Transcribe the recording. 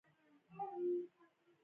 ښوونځی کې د سبق تکرار مهم دی